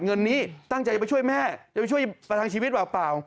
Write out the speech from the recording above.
เงินนี้ตั้งใจจะไปช่วยแม่จะไปช่วยประทังชีวิตเปล่า